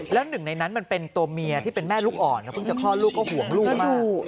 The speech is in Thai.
แล้วหนึ่งในนั้นมันเป็นตัวเมียที่เป็นแม่ลูกอ่อนนะเพิ่งจะคลอดลูกก็ห่วงลูกมาก